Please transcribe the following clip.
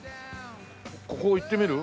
ここ行ってみる？